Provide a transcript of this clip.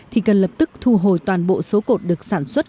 thì cần lập tức thu hồi toàn bộ số cột được sản xuất